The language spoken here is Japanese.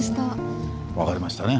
分かりましたね？